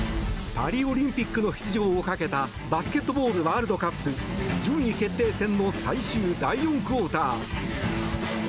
パリオリンピックの出場をかけたバスケットボールワールドカップ順位決定戦の最終第４クオーター。